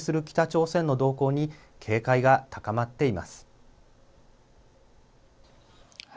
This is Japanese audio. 北朝鮮の動向に警戒が高まっています。